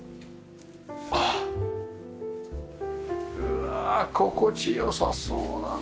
うわ心地良さそうだな！